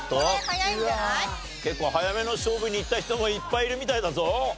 結構早めの勝負にいった人もいっぱいいるみたいだぞ。